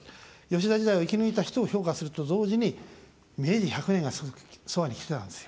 吉田時代を生き抜いた人を評価すると同時に明治１００年がそばにきてたんですよ。